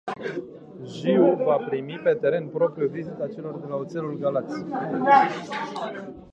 Jiu va primi pe teren propriu vizita celor de la Oțelul Galați.